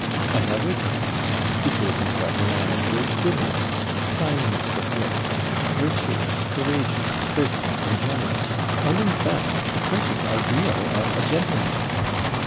At other times he shows himself a man of great goodness and fineness of wit; virtuous, courageous, courteous, and generous, and in fact the perfect ideal of a gentleman.